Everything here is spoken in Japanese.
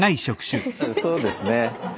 そうですね。